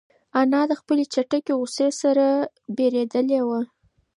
انا له خپلې چټکې غوسې څخه وېرېدلې وه.